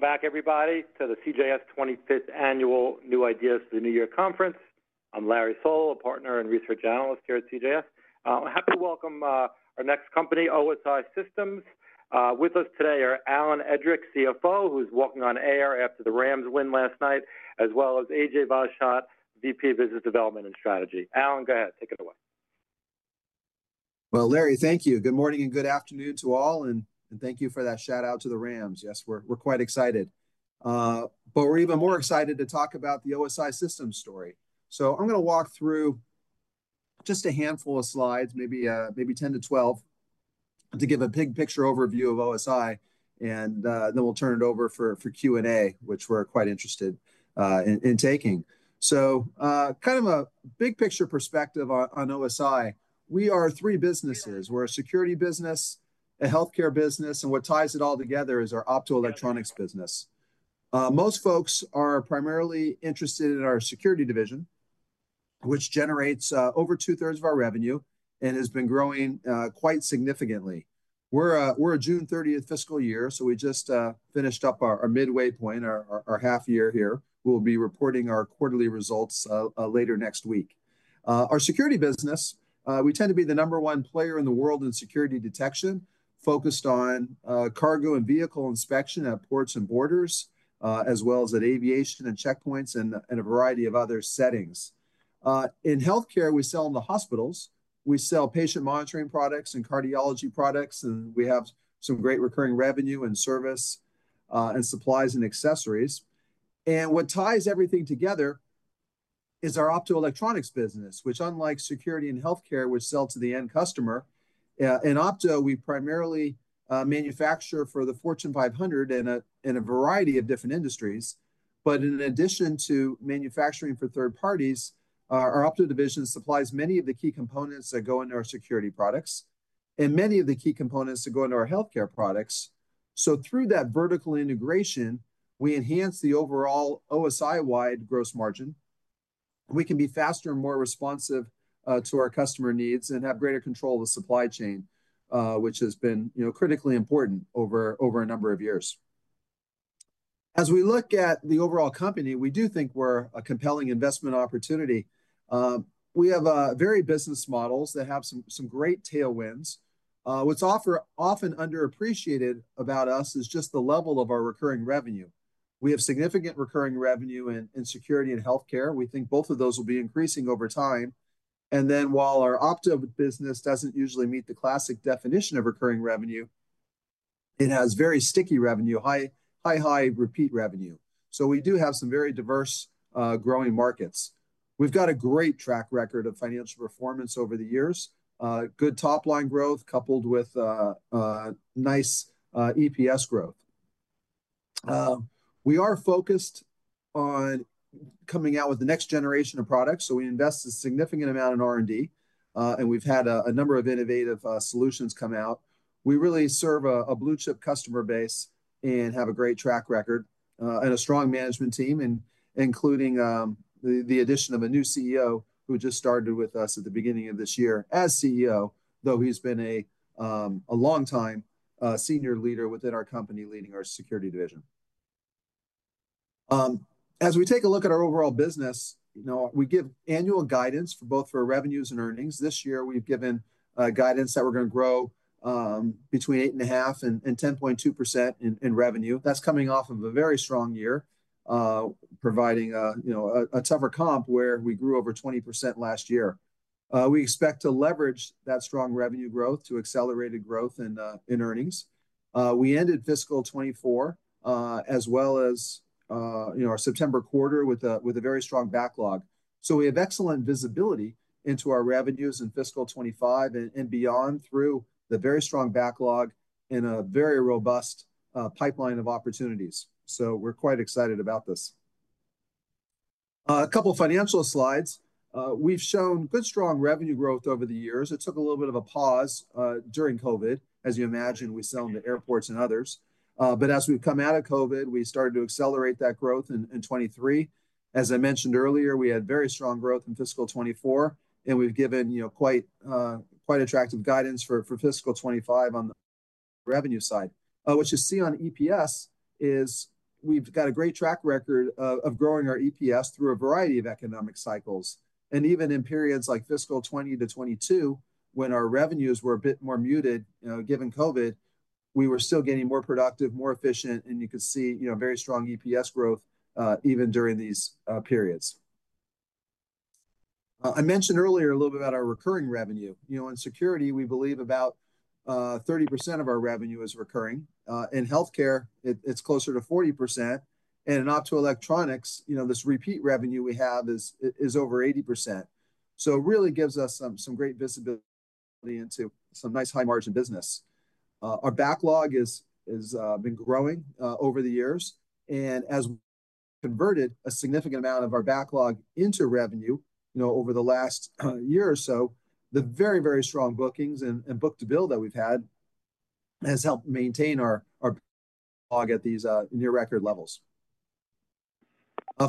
All right. Welcome back, everybody, to the CJS 25th Annual New Ideas for the New Year Conference. I'm Larry Solow, a partner and research analyst here at CJS. I'm happy to welcome our next company, OSI Systems. With us today are Alan Edrick, CFO, who's walking on air after the Rams win last night, as well as Ajay Vashist, VP of Business Development and Strategy. Alan, go ahead. Take it away. Well, Larry, thank you. Good morning and good afternoon to all. And thank you for that shout-out to the Rams. Yes, we're quite excited. But we're even more excited to talk about the OSI Systems story. So I'm going to walk through just a handful of slides, maybe 10 to 12, to give a big picture overview of OSI. And then we'll turn it over for Q&A, which we're quite interested in taking. So kind of a big picture perspective on OSI, we are three businesses. We're a security business, a health care business, and what ties it all together is our Optoelectronics business. Most folks are primarily interested in our security division, which generates over two-thirds of our revenue and has been growing quite significantly. We're a June 30th fiscal year, so we just finished up our midway point, our half year here. We'll be reporting our quarterly results later next week. Our security business, we tend to be the number one player in the world in security detection, focused on cargo and vehicle inspection at ports and borders, as well as at aviation and checkpoints and a variety of other settings. In health care, we sell in the hospitals. We sell patient monitoring products and cardiology products. And we have some great recurring revenue and service and supplies and accessories. And what ties everything together is our Optoelectronics business, which, unlike security and health care, which sells to the end customer, in Opto, we primarily manufacture for the Fortune 500 in a variety of different industries. But in addition to manufacturing for third parties, our Opto division supplies many of the key components that go into our security products and many of the key components that go into our health care products. So through that vertical integration, we enhance the overall OSI-wide gross margin. We can be faster and more responsive to our customer needs and have greater control of the supply chain, which has been critically important over a number of years. As we look at the overall company, we do think we're a compelling investment opportunity. We have various business models that have some great tailwinds. What's often underappreciated about us is just the level of our recurring revenue. We have significant recurring revenue in security and health care. We think both of those will be increasing over time. And then while our Opto business doesn't usually meet the classic definition of recurring revenue, it has very sticky revenue, high, high, high repeat revenue. So we do have some very diverse growing markets. We've got a great track record of financial performance over the years, good top-line growth coupled with nice EPS growth. We are focused on coming out with the next generation of products, so we invest a significant amount in R&D, and we've had a number of innovative solutions come out. We really serve a blue-chip customer base and have a great track record and a strong management team, including the addition of a new CEO who just started with us at the beginning of this year as CEO, though he's been a long-time senior leader within our company leading our Security division. As we take a look at our overall business, we give annual guidance for both our revenues and earnings. This year, we've given guidance that we're going to grow between 8.5% and 10.2% in revenue. That's coming off of a very strong year, providing a tougher comp where we grew over 20% last year. We expect to leverage that strong revenue growth to accelerate growth in earnings. We ended fiscal 2024 as well as our September quarter with a very strong backlog, so we have excellent visibility into our revenues in fiscal 2025 and beyond through the very strong backlog and a very robust pipeline of opportunities, so we're quite excited about this. A couple of financial slides. We've shown good, strong revenue growth over the years. It took a little bit of a pause during COVID, as you imagine, we sell into airports and others, but as we've come out of COVID, we started to accelerate that growth in 2023. As I mentioned earlier, we had very strong growth in fiscal 2024. We've given quite attractive guidance for fiscal 2025 on the revenue side. What you see on EPS is we've got a great track record of growing our EPS through a variety of economic cycles. Even in periods like fiscal 2020 to 2022, when our revenues were a bit more muted, given COVID, we were still getting more productive, more efficient. You could see very strong EPS growth even during these periods. I mentioned earlier a little bit about our recurring revenue. In security, we believe about 30% of our revenue is recurring. In health care, it's closer to 40%. In Optoelectronics, this repeat revenue we have is over 80%. So it really gives us some great visibility into some nice high-margin business. Our backlog has been growing over the years. And as we converted a significant amount of our backlog into revenue over the last year or so, the very, very strong bookings and book-to-bill that we've had has helped maintain our backlog at these near-record levels.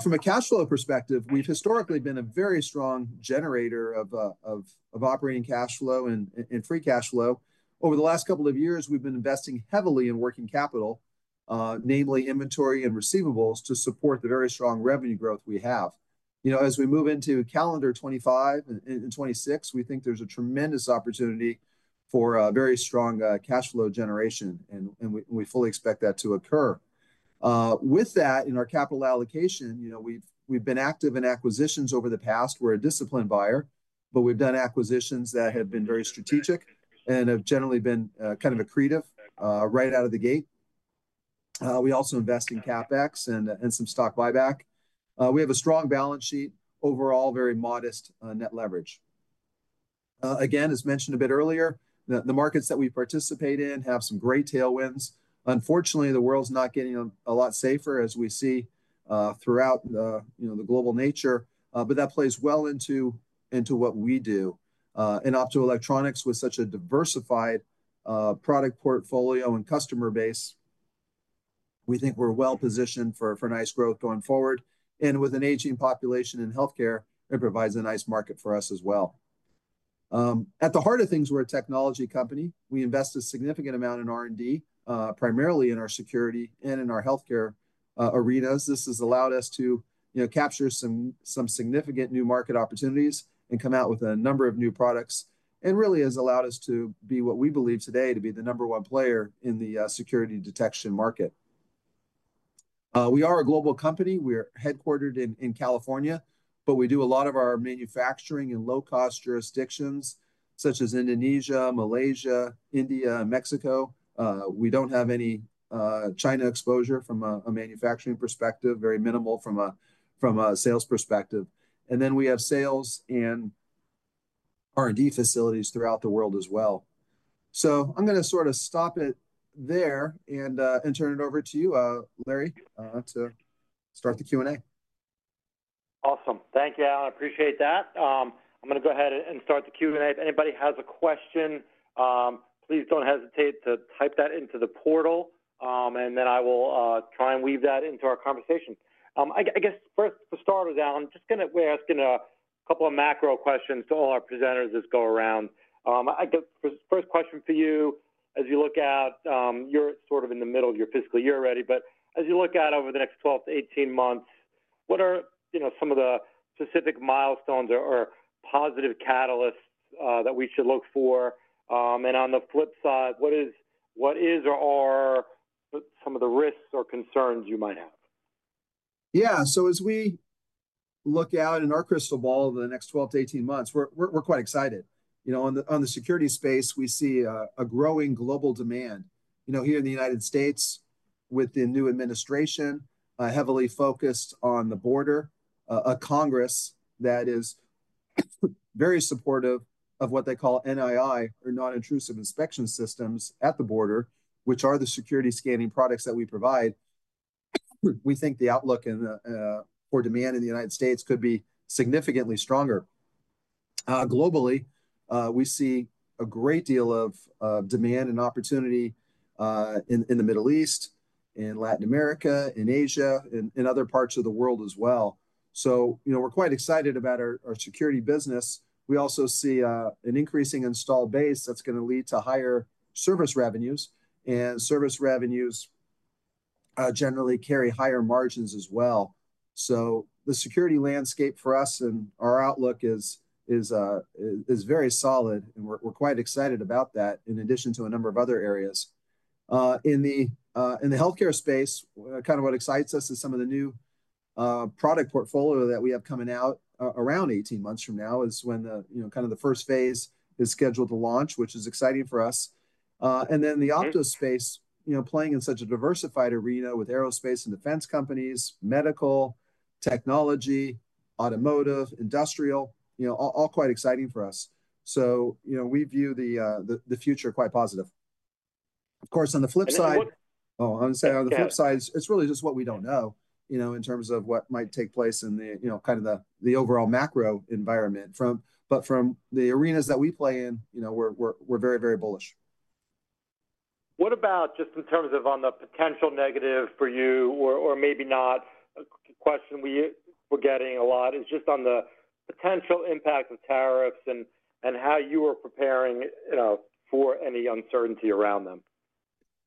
From a cash flow perspective, we've historically been a very strong generator of operating cash flow and free cash flow. Over the last couple of years, we've been investing heavily in working capital, namely inventory and receivables, to support the very strong revenue growth we have. As we move into calendar 2025 and 2026, we think there's a tremendous opportunity for very strong cash flow generation. And we fully expect that to occur. With that, in our capital allocation, we've been active in acquisitions over the past. We're a disciplined buyer. But we've done acquisitions that have been very strategic and have generally been kind of accretive right out of the gate. We also invest in CapEx and some stock buyback. We have a strong balance sheet, overall very modest net leverage. Again, as mentioned a bit earlier, the markets that we participate in have some great tailwinds. Unfortunately, the world's not getting a lot safer, as we see throughout the global nature, but that plays well into what we do. In Optoelectronics, with such a diversified product portfolio and customer base, we think we're well positioned for nice growth going forward, and with an aging population in health care, it provides a nice market for us as well. At the heart of things, we're a technology company. We invest a significant amount in R&D, primarily in our security and in our health care arenas. This has allowed us to capture some significant new market opportunities and come out with a number of new products. Really has allowed us to be what we believe today to be the number one player in the security detection market. We are a global company. We are headquartered in California. We do a lot of our manufacturing in low-cost jurisdictions, such as Indonesia, Malaysia, India, and Mexico. We don't have any China exposure from a manufacturing perspective, very minimal from a sales perspective. Then we have sales and R&D facilities throughout the world as well. I'm going to sort of stop it there and turn it over to you, Larry, to start the Q&A. Awesome. Thank you, Alan. I appreciate that. I'm going to go ahead and start the Q&A. If anybody has a question, please don't hesitate to type that into the portal, and then I will try and weave that into our conversation. I guess first, to start with, Alan, just going to ask a couple of macro questions to all our presenters as we go around. First question for you, as you look at you're sort of in the middle of your fiscal year already, but as you look at over the next 12 to 18 months, what are some of the specific milestones or positive catalysts that we should look for? And on the flip side, what is or are some of the risks or concerns you might have? Yeah. So as we look out in our crystal ball of the next 12 to 18 months, we're quite excited. On the security space, we see a growing global demand. Here in the United States, with the new administration, heavily focused on the border, a Congress that is very supportive of what they call NII, or Non-Intrusive Inspection Systems, at the border, which are the security scanning products that we provide. We think the outlook for demand in the United States could be significantly stronger. Globally, we see a great deal of demand and opportunity in the Middle East, in Latin America, in Asia, and other parts of the world as well. So we're quite excited about our security business. We also see an increasing install base that's going to lead to higher service revenues. And service revenues generally carry higher margins as well. The security landscape for us and our outlook is very solid. We are quite excited about that, in addition to a number of other areas. In the health care space, kind of what excites us is some of the new product portfolio that we have coming out around 18 months from now is when kind of the first phase is scheduled to launch, which is exciting for us. And then the Opto space, playing in such a diversified arena with aerospace and defense companies, medical, technology, automotive, industrial, all quite exciting for us. We view the future quite positive. Of course, on the flip side, it is really just what we do not know in terms of what might take place in kind of the overall macro environment. But from the arenas that we play in, we are very, very bullish. What about just in terms of on the potential negative for you, or maybe not, question we're getting a lot is just on the potential impact of tariffs and how you are preparing for any uncertainty around them?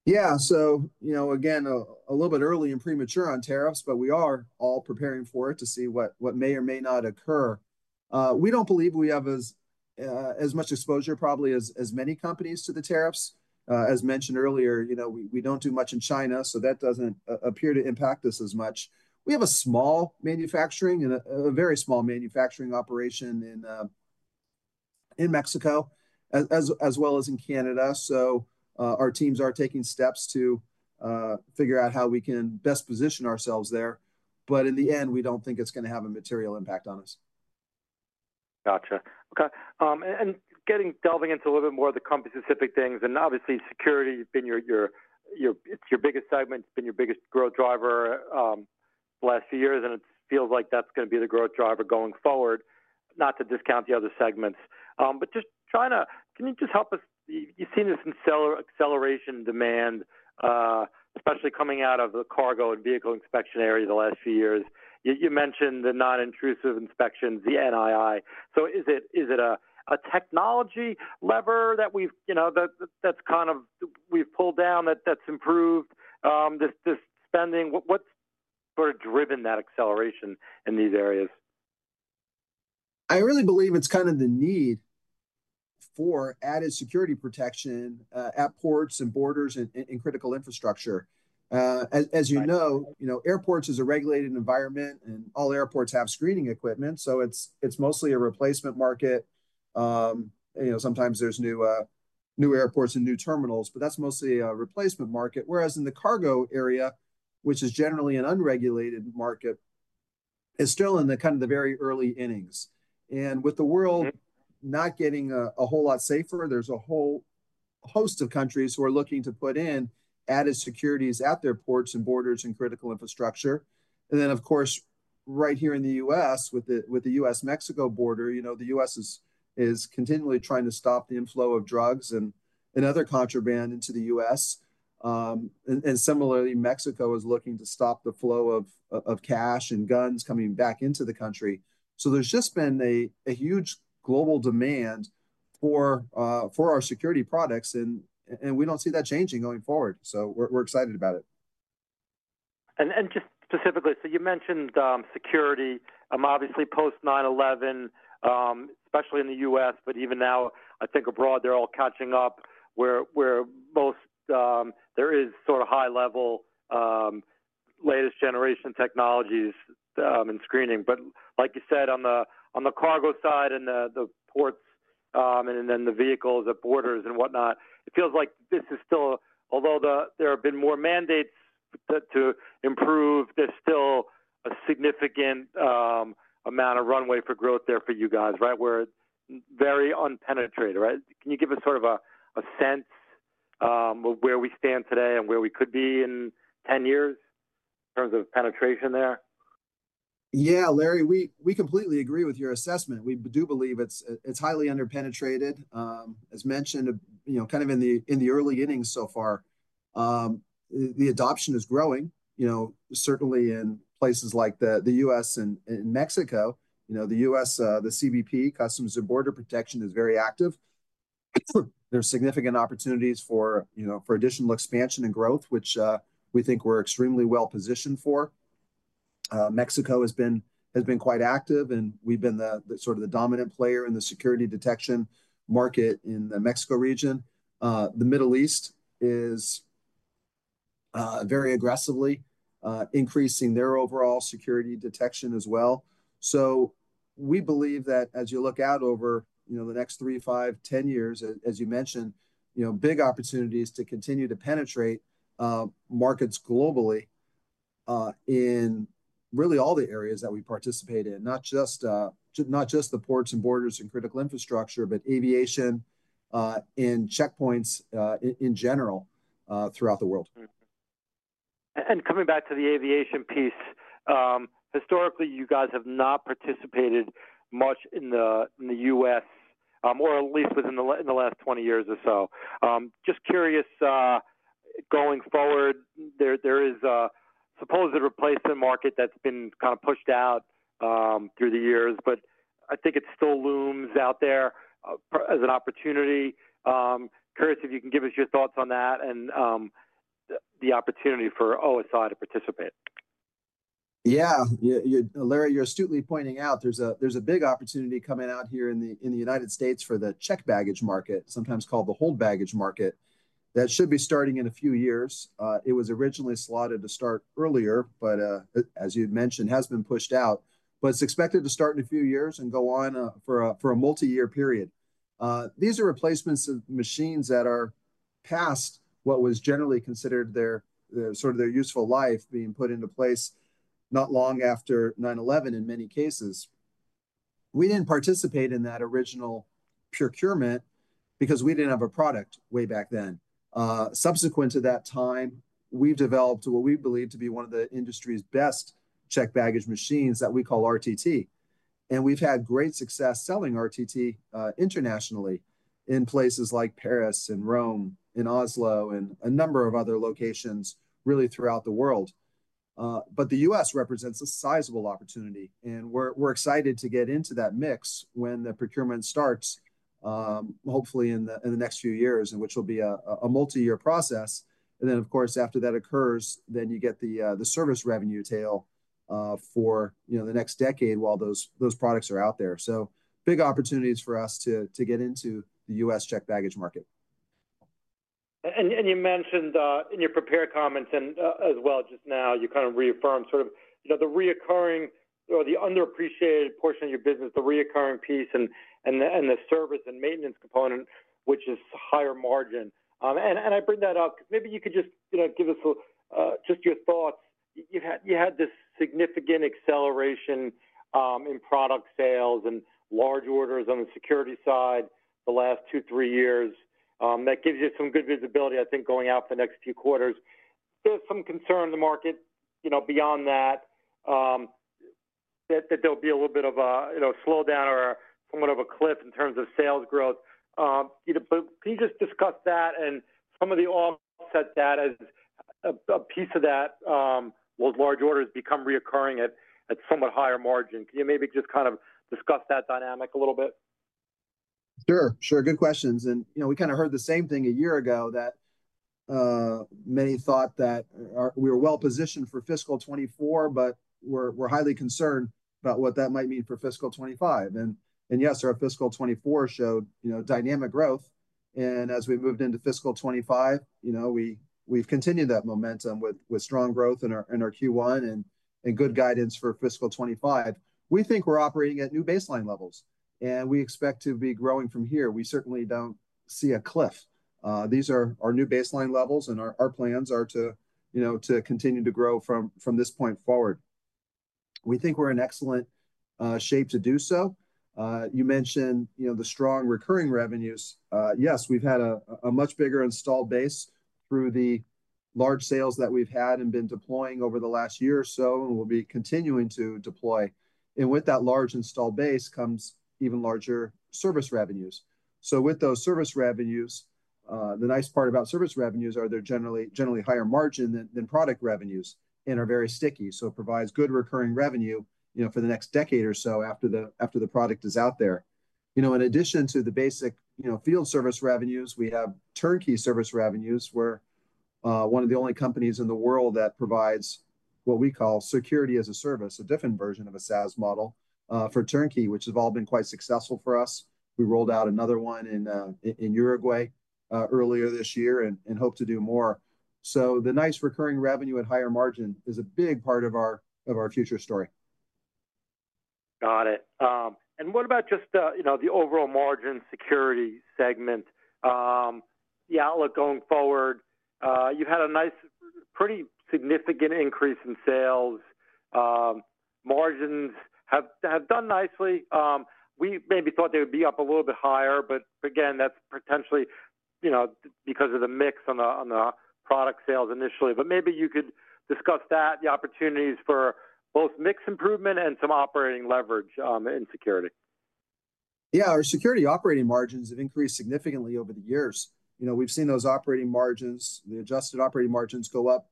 Yeah. So again, a little bit early and premature on tariffs. But we are all preparing for it to see what may or may not occur. We don't believe we have as much exposure, probably, as many companies to the tariffs. As mentioned earlier, we don't do much in China. So that doesn't appear to impact us as much. We have a small manufacturing and a very small manufacturing operation in Mexico, as well as in Canada. So our teams are taking steps to figure out how we can best position ourselves there. But in the end, we don't think it's going to have a material impact on us. Gotcha. OK. And delving into a little bit more of the company's specific things. Obviously, security has been your biggest segment. It's been your biggest growth driver the last few years. And it feels like that's going to be the growth driver going forward, not to discount the other segments. But just trying to, can you just help us? You've seen this acceleration in demand, especially coming out of the cargo and vehicle inspection area the last few years. You mentioned the non-intrusive inspections, the NII. So is it a technology lever that we've pulled down that's improved this spending? What's sort of driven that acceleration in these areas? I really believe it's kind of the need for added security protection at ports and borders and critical infrastructure. As you know, airports is a regulated environment. And all airports have screening equipment. So it's mostly a replacement market. Sometimes there's new airports and new terminals. But that's mostly a replacement market. Whereas in the cargo area, which is generally an unregulated market, it's still in kind of the very early innings. And with the world not getting a whole lot safer, there's a whole host of countries who are looking to put in added securities at their ports and borders and critical infrastructure. And then, of course, right here in the U.S., with the U.S.-Mexico border, the U.S. is continually trying to stop the inflow of drugs and other contraband into the U.S. And similarly, Mexico is looking to stop the flow of cash and guns coming back into the country. So there's just been a huge global demand for our security products. And we don't see that changing going forward. So we're excited about it. And just specifically, so you mentioned security. I'm obviously post-9/11, especially in the U.S. But even now, I think abroad, they're all catching up where most there is sort of high-level, latest-generation technologies and screening. But like you said, on the cargo side and the ports and then the vehicles at borders and whatnot, it feels like this is still, although there have been more mandates to improve, there's still a significant amount of runway for growth there for you guys, right, where it's very unpenetrated. Can you give us sort of a sense of where we stand today and where we could be in 10 years in terms of penetration there? Yeah, Larry, we completely agree with your assessment. We do believe it's highly underpenetrated. As mentioned, kind of in the early innings so far, the adoption is growing, certainly in places like the U.S. and Mexico. The U.S., the CBP, U.S. Customs and Border Protection, is very active. There are significant opportunities for additional expansion and growth, which we think we're extremely well positioned for. Mexico has been quite active. And we've been sort of the dominant player in the security detection market in the Mexico region. The Middle East is very aggressively increasing their overall security detection as well. So we believe that as you look out over the next three, five, 10 years, as you mentioned, big opportunities to continue to penetrate markets globally in really all the areas that we participate in, not just the ports and borders and critical infrastructure, but aviation and checkpoints in general throughout the world. And coming back to the aviation piece, historically, you guys have not participated much in the U.S., or at least within the last 20 years or so. Just curious, going forward, there is a supposed replacement market that's been kind of pushed out through the years. But I think it still looms out there as an opportunity. Curious if you can give us your thoughts on that and the opportunity for OSI to participate? Yeah. Larry, you're astutely pointing out there's a big opportunity coming out here in the United States for the checked baggage market, sometimes called the hold baggage market, that should be starting in a few years. It was originally slotted to start earlier, but as you mentioned, it has been pushed out, but it's expected to start in a few years and go on for a multi-year period. These are replacements of machines that are past what was generally considered sort of their useful life, being put into place not long after 9/11 in many cases. We didn't participate in that original procurement because we didn't have a product way back then. Subsequent to that time, we've developed what we believe to be one of the industry's best check baggage machines that we call RTT. We've had great success selling RTT internationally in places like Paris and Rome and Oslo and a number of other locations really throughout the world. The U.S. represents a sizable opportunity. We're excited to get into that mix when the procurement starts, hopefully in the next few years, which will be a multi-year process. Of course, after that occurs, then you get the service revenue tail for the next decade while those products are out there. Big opportunities for us to get into the U.S. checked baggage market. And you mentioned in your prepared comments as well just now. You kind of reaffirmed sort of the recurring or the underappreciated portion of your business, the recurring piece and the service and maintenance component, which is higher margin. And I bring that up because maybe you could just give us just your thoughts. You had this significant acceleration in product sales and large orders on the security side the last two, three years. That gives you some good visibility, I think, going out for the next few quarters. There's some concern in the market beyond that that there'll be a little bit of a slowdown or somewhat of a cliff in terms of sales growth. But can you just discuss that and some of the offset that as a piece of that, well, large orders become recurring at somewhat higher margin? Can you maybe just kind of discuss that dynamic a little bit? Sure. Sure. Good questions. And we kind of heard the same thing a year ago that many thought that we were well positioned for fiscal 2024. But we're highly concerned about what that might mean for fiscal 2025. And yes, our fiscal 2024 showed dynamic growth. And as we moved into fiscal 2025, we've continued that momentum with strong growth in our Q1 and good guidance for fiscal 2025. We think we're operating at new baseline levels. And we expect to be growing from here. We certainly don't see a cliff. These are our new baseline levels. And our plans are to continue to grow from this point forward. We think we're in excellent shape to do so. You mentioned the strong recurring revenues. Yes, we've had a much bigger installed base through the large sales that we've had and been deploying over the last year or so and will be continuing to deploy, and with that large installed base comes even larger service revenues, so with those service revenues, the nice part about service revenues are they're generally higher margin than product revenues and are very sticky, so it provides good recurring revenue for the next decade or so after the product is out there. In addition to the basic field service revenues, we have turnkey service revenues. We're one of the only companies in the world that provides what we call security as a service, a different version of a SaaS model for turnkey, which has all been quite successful for us. We rolled out another one in Uruguay earlier this year and hope to do more. So the nice recurring revenue and higher margin is a big part of our future story. Got it. And what about just the overall margin security segment? The outlook going forward, you've had a nice, pretty significant increase in sales. Margins have done nicely. We maybe thought they would be up a little bit higher. But again, that's potentially because of the mix on the product sales initially. But maybe you could discuss that, the opportunities for both mix improvement and some operating leverage in security. Yeah. Our security operating margins have increased significantly over the years. We've seen those operating margins, the adjusted operating margins go up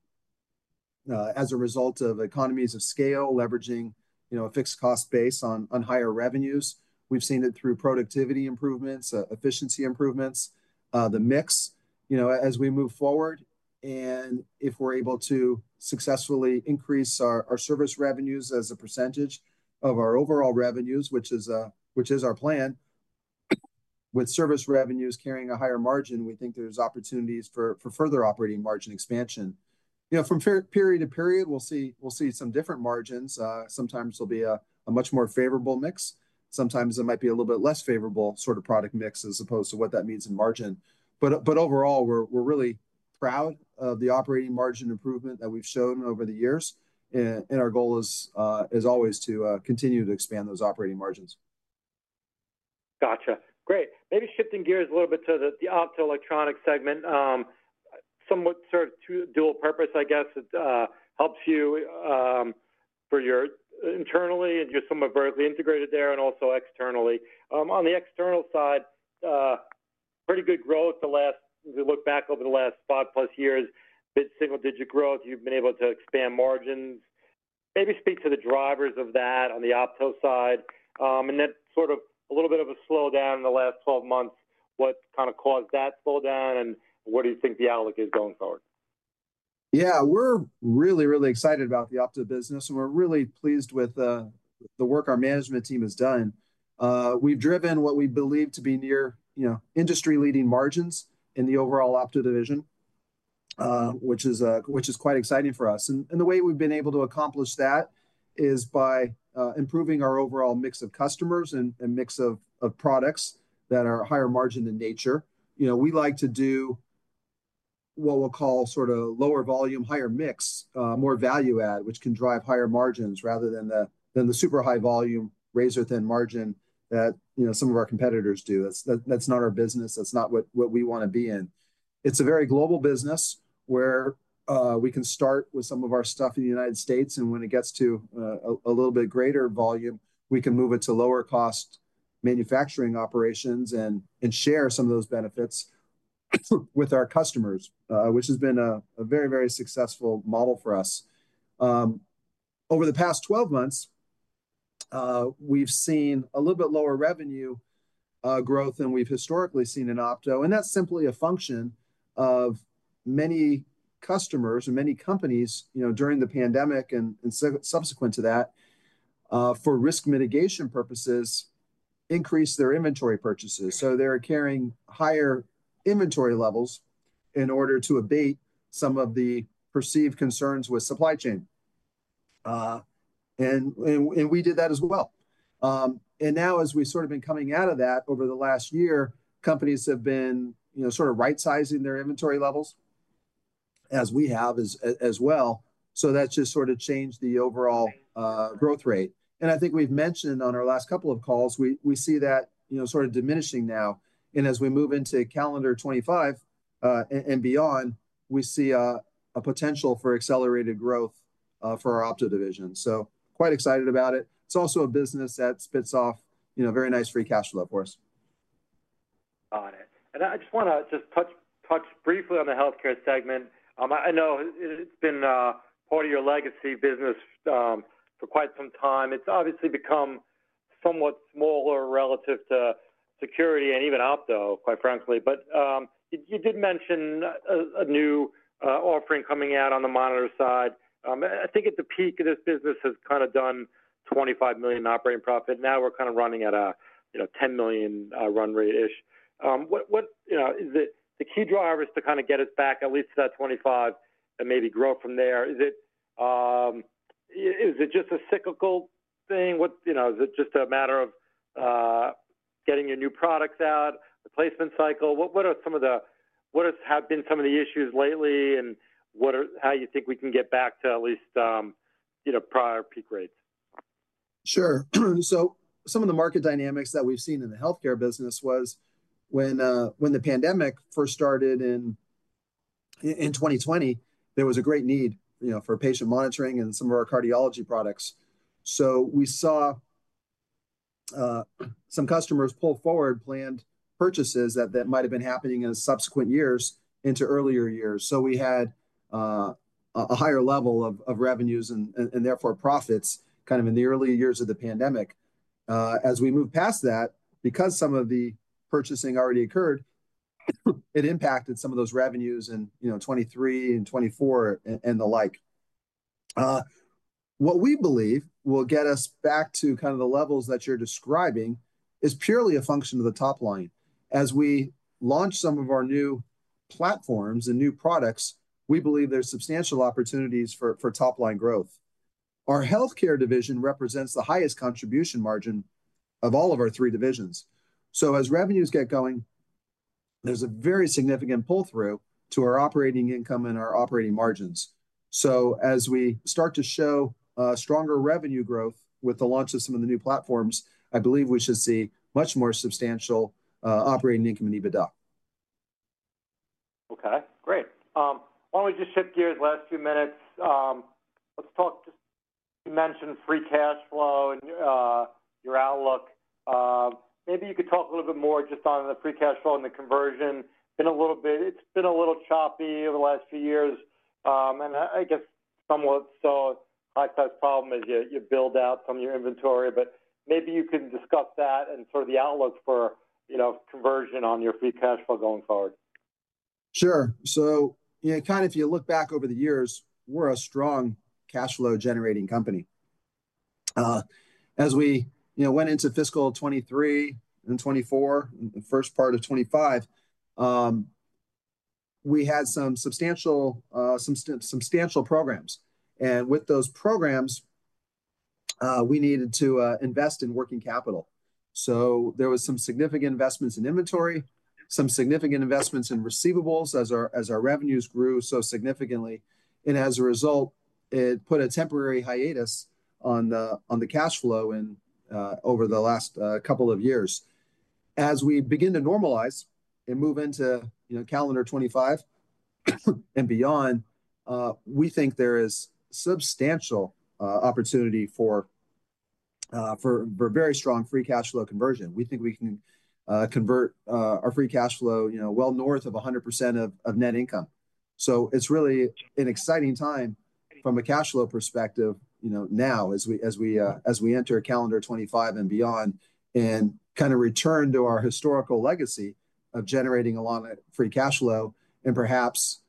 as a result of economies of scale leveraging a fixed cost base on higher revenues. We've seen it through productivity improvements, efficiency improvements, the mix as we move forward. And if we're able to successfully increase our service revenues as a percentage of our overall revenues, which is our plan, with service revenues carrying a higher margin, we think there's opportunities for further operating margin expansion. From period to period, we'll see some different margins. Sometimes there'll be a much more favorable mix. Sometimes there might be a little bit less favorable sort of product mix as opposed to what that means in margin. But overall, we're really proud of the operating margin improvement that we've shown over the years. Our goal is always to continue to expand those operating margins. Gotcha. Great. Maybe shifting gears a little bit to the Optoelectronics segment, somewhat sort of dual purpose, I guess, helps you internally. And you're somewhat vertically integrated there and also externally. On the external side, pretty good growth the last, if you look back over the last five-plus years, mid-single-digit growth. You've been able to expand margins. Maybe speak to the drivers of that on the Opto side. And then sort of a little bit of a slowdown in the last 12 months. What kind of caused that slowdown? And what do you think the outlook is going forward? Yeah. We're really, really excited about the Opto business. And we're really pleased with the work our management team has done. We've driven what we believe to be near industry-leading margins in the overall Opto division, which is quite exciting for us. And the way we've been able to accomplish that is by improving our overall mix of customers and mix of products that are higher margin in nature. We like to do what we'll call sort of lower volume, higher mix, more value add, which can drive higher margins rather than the super high volume razor-thin margin that some of our competitors do. That's not our business. That's not what we want to be in. It's a very global business where we can start with some of our stuff in the United States. When it gets to a little bit greater volume, we can move it to lower-cost manufacturing operations and share some of those benefits with our customers, which has been a very, very successful model for us. Over the past 12 months, we've seen a little bit lower revenue growth than we've historically seen in Opto. That's simply a function of many customers and many companies during the pandemic and subsequent to that, for risk mitigation purposes, increase their inventory purchases. So they're carrying higher inventory levels in order to abate some of the perceived concerns with supply chain. We did that as well. Now, as we've sort of been coming out of that over the last year, companies have been sort of right-sizing their inventory levels, as we have as well. That's just sort of changed the overall growth rate. And I think we've mentioned on our last couple of calls, we see that sort of diminishing now. And as we move into calendar 2025 and beyond, we see a potential for accelerated growth for our Opto division. So quite excited about it. It's also a business that spits off very nice free cash flow for us. Got it. And I just want to touch briefly on the health care segment. I know it's been part of your legacy business for quite some time. It's obviously become somewhat smaller relative to security and even Opto, quite frankly. But you did mention a new offering coming out on the monitor side. I think at the peak of this business, it has kind of done $25 million in operating profit. Now we're kind of running at a $10 million run rate-ish. The key driver is to kind of get us back at least to that $25 and maybe grow from there. Is it just a cyclical thing? Is it just a matter of getting your new products out, replacement cycle? What have been some of the issues lately and how you think we can get back to at least prior peak rates? Sure. So some of the market dynamics that we've seen in the Healthcare business was when the pandemic first started in 2020, there was a great need for patient monitoring and some of our cardiology products. So we saw some customers pull forward planned purchases that might have been happening in subsequent years into earlier years. So we had a higher level of revenues and therefore profits kind of in the early years of the pandemic. As we moved past that, because some of the purchasing already occurred, it impacted some of those revenues in 2023 and 2024 and the like. What we believe will get us back to kind of the levels that you're describing is purely a function of the top line. As we launch some of our new platforms and new products, we believe there's substantial opportunities for top line growth. Our Healthcare division represents the highest contribution margin of all of our three divisions. So as revenues get going, there's a very significant pull-through to our operating income and our operating margins. So as we start to show stronger revenue growth with the launch of some of the new platforms, I believe we should see much more substantial operating income in EBITDA. OK. Great. Why don't we just shift gears last few minutes? You mentioned free cash flow and your outlook. Maybe you could talk a little bit more just on the free cash flow and the conversion. It's been a little choppy over the last few years. And I guess somewhat so high-class problem is you build out some of your inventory. But maybe you can discuss that and sort of the outlook for conversion on your free cash flow going forward. Sure. So kind of if you look back over the years, we're a strong cash flow generating company. As we went into fiscal 2023 and 2024, the first part of 2025, we had some substantial programs. And with those programs, we needed to invest in working capital. So there were some significant investments in inventory, some significant investments in receivables as our revenues grew so significantly. And as a result, it put a temporary hiatus on the cash flow over the last couple of years. As we begin to normalize and move into calendar 2025 and beyond, we think there is substantial opportunity for very strong free cash flow conversion. We think we can convert our free cash flow well north of 100% of net income. So it's really an exciting time from a cash flow perspective now as we enter calendar 2025 and beyond and kind of return to our historical legacy of generating a lot of free cash flow and perhaps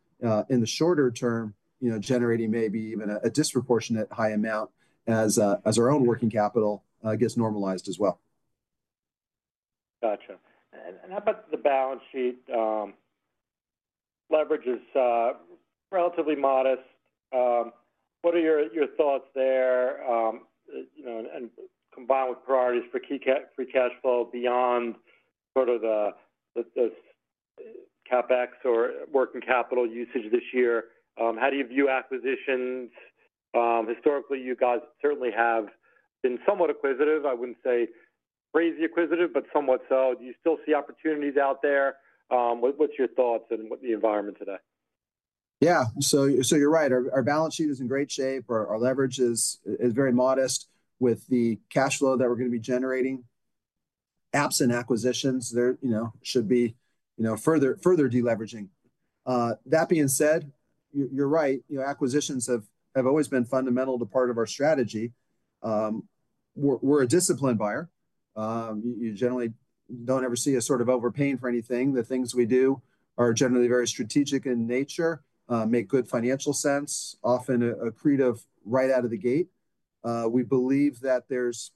in the shorter term generating maybe even a disproportionate high amount as our own working capital gets normalized as well. Gotcha. And how about the balance sheet? Leverage is relatively modest. What are your thoughts there? And combined with priorities for free cash flow beyond sort of the CapEx or working capital usage this year, how do you view acquisitions? Historically, you guys certainly have been somewhat acquisitive. I wouldn't say crazy acquisitive, but somewhat so. Do you still see opportunities out there? What's your thoughts and the environment today? Yeah. So you're right. Our balance sheet is in great shape. Our leverage is very modest with the cash flow that we're going to be generating. Absent acquisitions, there should be further deleveraging. That being said, you're right. Acquisitions have always been fundamental to part of our strategy. We're a disciplined buyer. You generally don't ever see us sort of overpaying for anything. The things we do are generally very strategic in nature, make good financial sense, often accretive right out of the gate. We believe that there's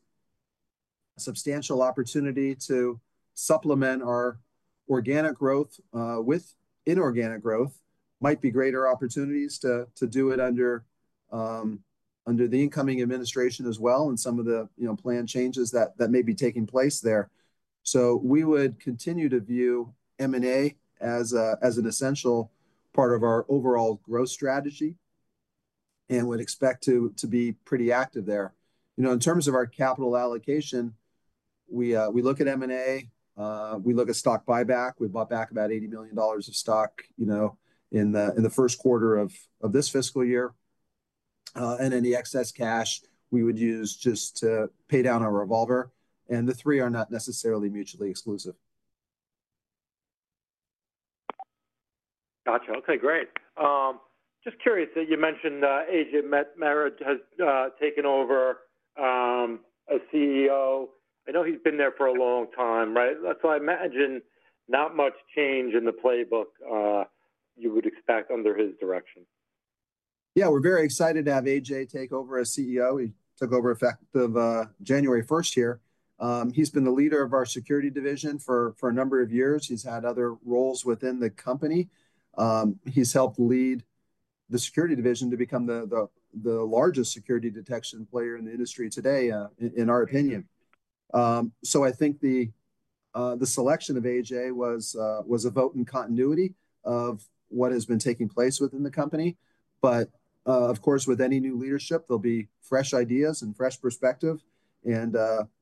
substantial opportunity to supplement our organic growth with inorganic growth. Might be greater opportunities to do it under the incoming administration as well and some of the planned changes that may be taking place there. So we would continue to view M&A as an essential part of our overall growth strategy and would expect to be pretty active there. In terms of our capital allocation, we look at M&A. We look at stock buyback. We bought back about $80 million of stock in the Q1 of this fiscal year. And any excess cash we would use just to pay down our revolver. And the three are not necessarily mutually exclusive. Gotcha. OK. Great. Just curious. You mentioned Ajay Mehra has taken over as CEO. I know he's been there for a long time, right? So I imagine not much change in the playbook you would expect under his direction. Yeah. We're very excited to have Ajay take over as CEO. He took over effective January 1st here. He's been the leader of our security division for a number of years. He's had other roles within the company. He's helped lead the security division to become the largest security detection player in the industry today, in our opinion. So I think the selection of Ajay was a vote in continuity of what has been taking place within the company. But of course, with any new leadership, there'll be fresh ideas and fresh perspective. And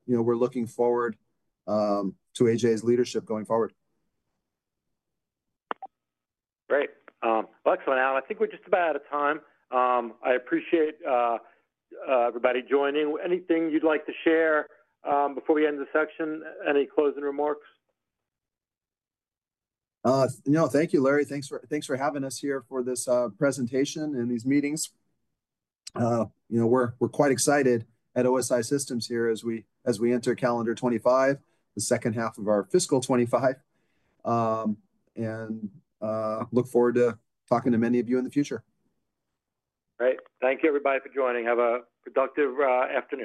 we're looking forward to Ajay's leadership going forward. Great. Excellent. I think we're just about out of time. I appreciate everybody joining. Anything you'd like to share before we end the session? Any closing remarks? No, thank you, Larry. Thanks for having us here for this presentation and these meetings. We're quite excited at OSI Systems here as we enter calendar 2025, the second half of our fiscal 2025, and look forward to talking to many of you in the future. Great. Thank you, everybody, for joining. Have a productive afternoon.